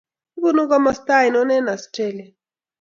Ibunu komosta ano eng Australia?